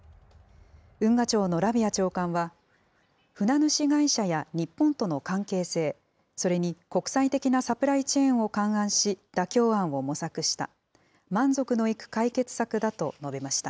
運河庁のラビア長官は、船主会社や日本との関係性、それに国際的なサプライチェーンを勘案し、妥協案を模索した。